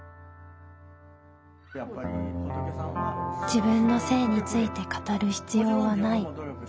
「自分の性について語る必要はない。